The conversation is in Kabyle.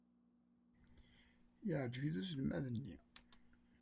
Yeɛjeb-it uselmad-nni.